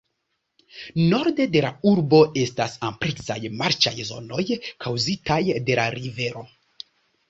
Norde de la urbo estas ampleksaj marĉaj zonoj kaŭzitaj de la rivero.